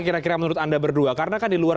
kira kira menurut anda berdua karena kan di luar